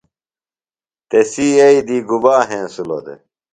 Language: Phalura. تسی یئی دی گُبا ہنسِلوۡ دےۡ؟